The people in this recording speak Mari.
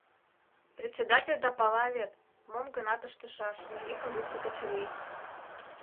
— Председательда пала вет, мом-гынат ыштышаш, — йӱкым лукто Качырий.